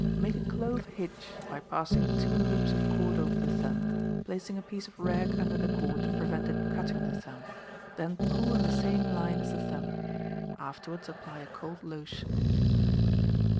Make a clove hitch, by passing two loops of cord over the thumb, placing a piece of rag under the cord to prevent it cutting the thumb; then pull in the same line as the thumb. Afterwards apply a cold lotion.